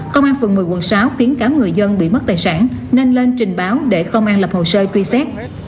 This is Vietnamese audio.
công an phường một mươi quận sáu khuyến cáo người dân bị mất tài sản nên lên trình báo để công an lập hồ sơ truy xét